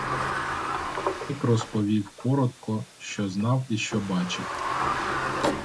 Садівник розповів коротко, що знав і що бачив.